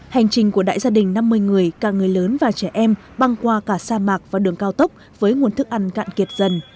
hành trình của đại gia đình năm mươi người cả người lớn và trẻ em băng qua cả sa mạc và đường cao tốc với nguồn thức ăn cạn kiệt dần